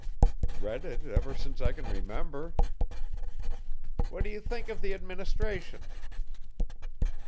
'Read it ever since I can remember.' 'What do you think of the administration?